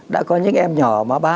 đã có những em nhỏ